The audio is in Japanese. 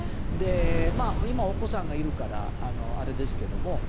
今、お子さんがいるからあれですけれども。